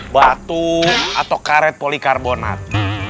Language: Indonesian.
batu atau karet polikarbonat